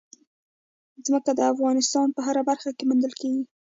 ځمکه د افغانستان په هره برخه کې موندل کېږي.